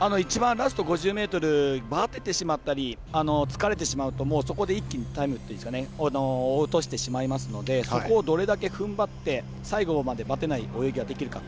ラスト５０ｍばててしまったり疲れてしまうともう、そこで一気にタイム落としてしまいますのでそこをどれだけふんばって最後までばてない泳ぎができるか。